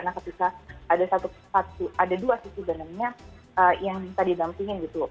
nah ketika ada dua sisi dananya yang kita didampingi gitu